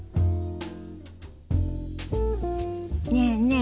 ねえねえ。